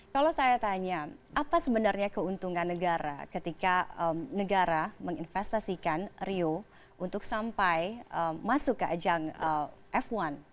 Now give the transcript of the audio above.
kalau saya tanya apa sebenarnya keuntungan negara ketika negara menginvestasikan rio untuk sampai masuk ke ajang f satu